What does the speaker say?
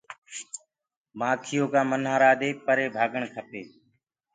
مآکيآ ڪآ ڇتآ دي پري ڀآگڻ کپي؟